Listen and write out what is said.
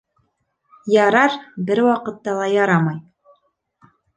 «Ярар» бер ваҡытта ла ярамай